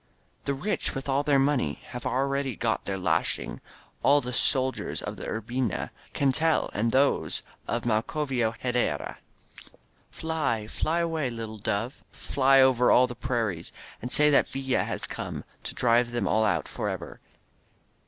The rich with all their money Have already got their lashing. As the soldiers of Urbina Can tell, and those of Maclovio Herrera. Fly, fly away, little dove. Fly over all the prairies. And say that Villa has come To drive them all out forever.